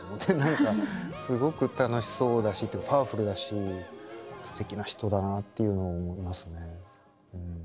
何かすごく楽しそうだしパワフルだしすてきな人だなっていうのを思いますね。